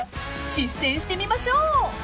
［実践してみましょう］